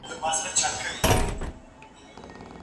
يو نقيب دی چې يې ستا په نوم آغاز دی